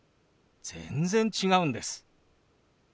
全然違うんです。